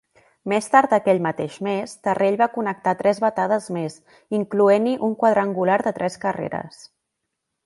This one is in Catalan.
Més tard aquell mateix mes, Terrell va connectar tres batades més, incloent-hi un quadrangular de tres carreres.